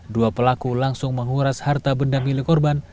dua pelaku langsung menguras harta benda milik korban